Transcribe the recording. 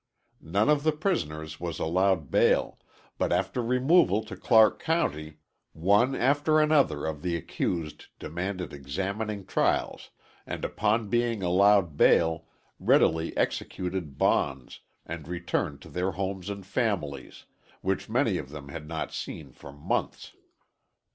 None of the prisoners was allowed bail, but after removal to Clark County, one after another of the accused demanded examining trials and upon being allowed bail, readily executed bonds and returned to their homes and families, which many of them had not seen for months.